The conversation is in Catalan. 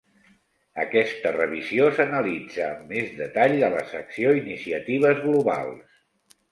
Aquesta revisió s'analitza amb més detall a la secció "Iniciatives globals".